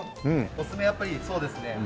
おすすめはやっぱりそうですね。